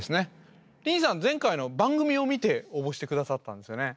前回の番組を見て応募して下さったんですよね。